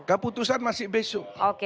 keputusan masih besok